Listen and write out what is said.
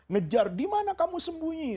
ngejar dimana kamu sembunyi